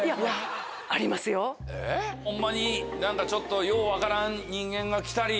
ホンマに何かちょっとよう分からん人間が来たり。